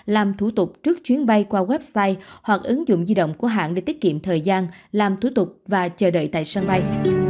làm thủ tục trước chuyến bay qua website hoặc ứng dụng di động của hãng để tiết kiệm thời gian làm thủ tục và chờ đợi tại sân bay